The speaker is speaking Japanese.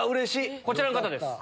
こちらの方です。